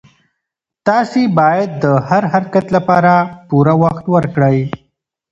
تاسي باید د هر حرکت لپاره پوره وخت ورکړئ.